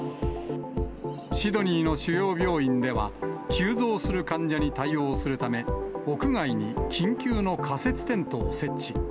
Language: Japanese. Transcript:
シドニーの主要病院では、急増する患者に対応するため、屋外に緊急の仮設テントを設置。